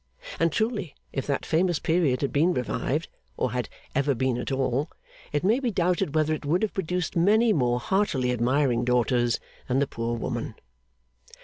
And truly if that famous period had been revived, or had ever been at all, it may be doubted whether it would have produced many more heartily admiring daughters than the poor woman.